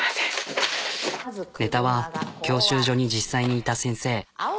ネタは教習所に実際にいた先生。